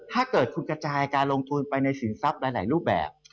ถ้าเกิดคุณกระจายการลงทุนไปในสินทรัพย์หลายรูปแบบ